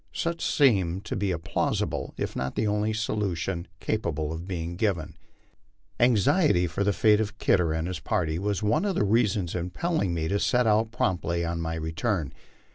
Such seemed to be a plausible if not the only solution capa ble of being given. Anxiety for the fate of Kidder and his party was one of the reasons impel ling me to set out promptly on my return.